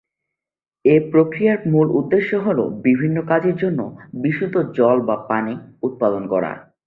এই প্রক্রিয়ার মূল উদ্দেশ্য হল বিভিন্ন কাজের জন্য বিশুদ্ধ জল বা পানি উৎপাদন করা।